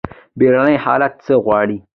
بیړني حالات څه غواړي؟